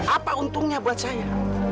apa untungnya buat saya